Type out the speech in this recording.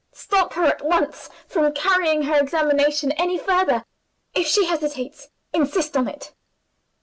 "Stop her at once from carrying her examination any further! If she hesitates, insist on it!"